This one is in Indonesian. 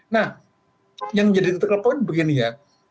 nah yang jadi titik ke poin begini ya